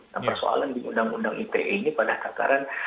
nah persoalan di undang undang ite ini pada tataran